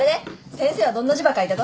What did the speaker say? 先生はどんな字ば書いたと？